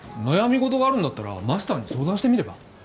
悩みごとがあるんだったらマスターに相談してみれば？